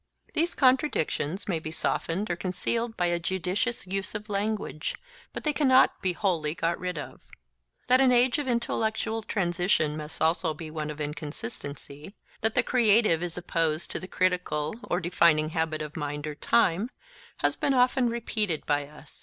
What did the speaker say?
These contradictions may be softened or concealed by a judicious use of language, but they cannot be wholly got rid of. That an age of intellectual transition must also be one of inconsistency; that the creative is opposed to the critical or defining habit of mind or time, has been often repeated by us.